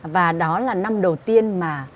và đó là năm đầu tiên mà